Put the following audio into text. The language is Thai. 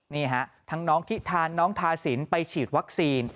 นี่ฮะทั้งน้องทิธานน้องทาสินไปฉีดวัคซีน